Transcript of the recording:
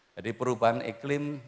jadi perubahan iklim